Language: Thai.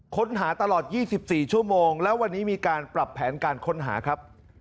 ค้นหาตลอด๒๔ชั่วโมงแล้ววันนี้มีการปรับแผนการค้นหาครับ